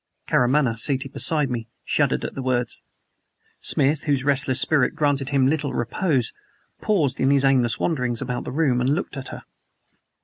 Karamaneh, seated beside me, shuddered at the words. Smith, whose restless spirit granted him little repose, paused in his aimless wanderings about the room and looked at her.